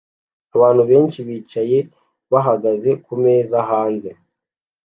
Abantu benshi bicaye bahagaze kumeza hanze